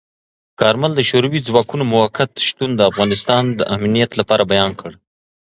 کارمل د شوروي ځواکونو موقت شتون د افغانستان د امنیت لپاره بیان کړ.